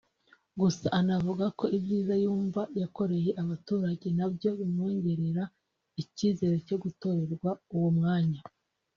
Gusa anavuga ko ibyiza yumva yakoreye abaturage na byo bimwongerera icyizere cyo gutorerwa uwo mwanya